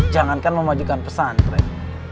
jangankan memajukan pesantren